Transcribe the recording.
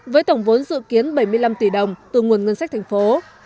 với tổng vốn dự kiến bảy mươi năm tỷ đồng từ nguồn ngân sách thành phố